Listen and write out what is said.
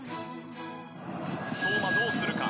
相馬、どうするか。